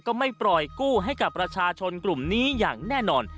ก็ไม่ปล่อยกู้ให้กับประชาชนกลุ่มนี้อย่างแน่นอน